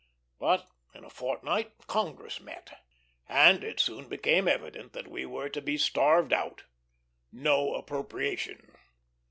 But in a fortnight Congress met, and it soon became evident that we were to be starved out, no appropriation.